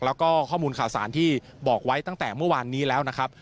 แล้วก็ข้อมูลข่าวสารที่บอกไว้ตั้งแต่เมื่อวานนี้แล้วนะครับ